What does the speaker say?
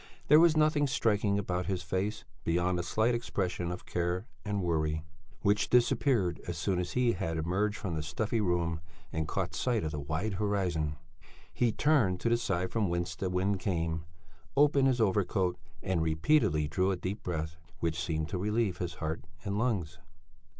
There was nothing striking about his face beyond a slight expression of care and worry which disappeared as soon as he had emerged from the stuffy room and caught sight of the wide horizon. He turned to the side from whence the wind came, opened his overcoat, and repeatedly drew a deep breath which seemed to relieve his heart and lungs.